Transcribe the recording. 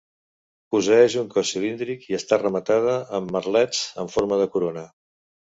Posseïx un cos cilíndric i està rematada amb merlets amb forma de corona.